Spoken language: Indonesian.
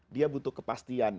dia butuh kepastian